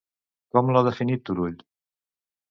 Com l'ha definit Turull?